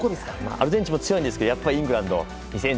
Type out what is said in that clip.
アルゼンチンも強いんですがやっぱりイングランド。